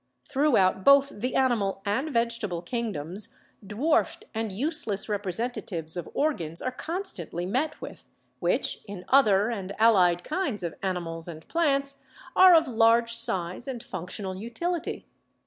Throughout both the ani mal and vegetable kingdoms dwarfed and useless repre sentatives of organs are constantly met with, which in other and allied kinds of animals and plants are of large size and functional utility.